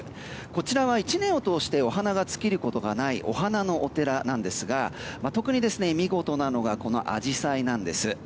こちらは１年を通してお花が尽きることがないお花のお寺なんですが特に見事なのがこのアジサイなんです。